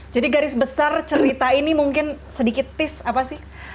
jadi garis besar cerita ini mungkin sedikit tis apa sih